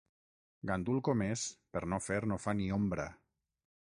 Gandul com és, per no fer, no fa ni ombra.